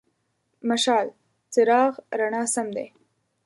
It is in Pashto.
مشال: څراغ، رڼا سم دی.